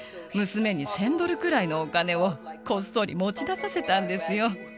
娘に１０００ドルくらいのお金を、こっそり持ち出させたんですよ。